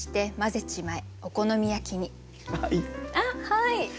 はい。